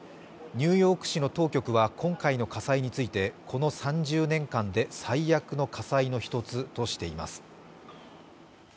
ニューヨーク市の当局は今回の火災についてこの３０年間で最悪の火災の１つとしています。